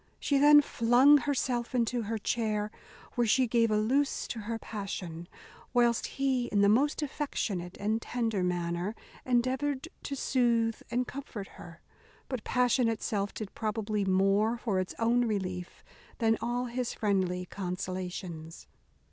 She then flung herself into her chair, where she gave a loose to her passion, whilst he, in the most affectionate and tender manner, endeavoured to soothe and comfort her; but passion itself did probably more for its own relief than all his friendly consolations.